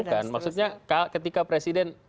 bukan maksudnya ketika presiden